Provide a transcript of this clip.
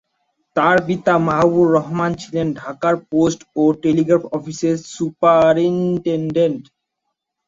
তার পিতা মাহবুবুর রহমান ছিলেন ঢাকার পোস্ট এন্ড টেলিগ্রাফ অফিসের সুপারিনটেনডেন্ট।